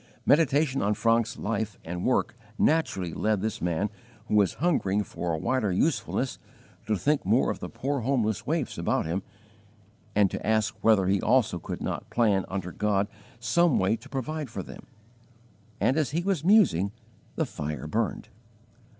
Meditation on Franeke's life and work naturally led this man who was hungering for a wider usefulness to think more of the poor homeless waifs about him, and to ask whether he also could not plan under God some way to provide for them; and as he was musing the fire burned.